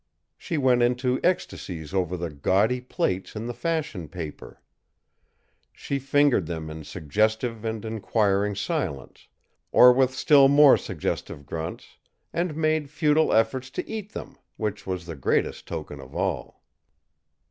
She went into ecstasies over the gaudy plates in the fashion paper. She fingered them in suggestive and inquiring silence, or with still more suggestive grunts, and made futile efforts to eat them, which was the greatest token of all.